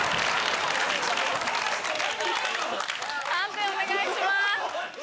判定お願いします。